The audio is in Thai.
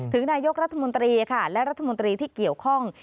ถึงนายกระทมดค่ะและรัฐมนตรีที่เกี่ยวข้อง